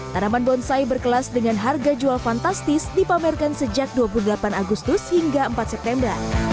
tanaman bonsai berkelas dengan harga jual fantastis dipamerkan sejak dua puluh delapan agustus hingga empat september